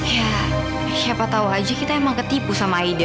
ya siapa tau aja kita emang ketipu sama aida